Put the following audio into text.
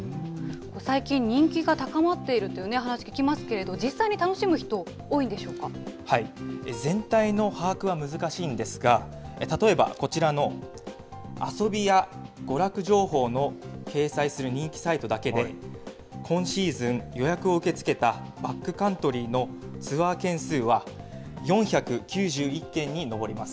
最近、人気が高まっているというね、話聞きますけれども、実全体の把握は難しいんですが、例えばこちらの遊びや娯楽情報の掲載する人気サイトだけで、今シーズン、予約を受け付けたバックカントリーのツアー件数は、４９１件に上ります。